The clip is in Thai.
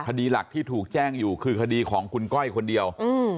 คดีหลักที่ถูกแจ้งอยู่คือคดีของคุณก้อยคนเดียว